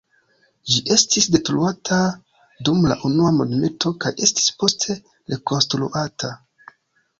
Ĝi estis detruata dum la Unua Mondmilito kaj estis poste rekonstruata.